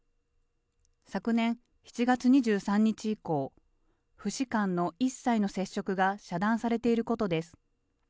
昨年７月２３日以降、父子間の一切の接触が遮断されていることです。